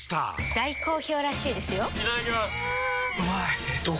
大好評らしいですよんうまい！